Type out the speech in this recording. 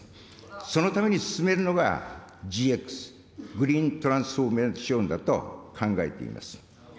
そのために進めるのが、ＧＸ・グリーントランスフォーメーションだと考えています。